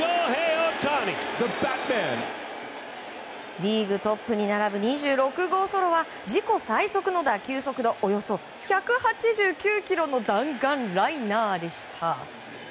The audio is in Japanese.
リーグトップに並ぶ２６号ソロは自己最速の打球速度およそ１８９キロの弾丸ライナーでした。